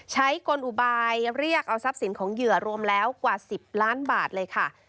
กลอุบายเรียกเอาทรัพย์สินของเหยื่อรวมแล้วกว่า๑๐ล้านบาทเลยค่ะ